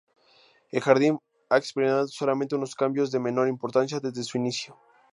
El jardín ha experimentado solamente unos cambios de menor importancia desde su inicio.